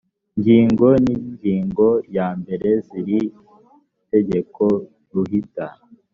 ngingo n ingingo ya mbere z iri tegko ruhita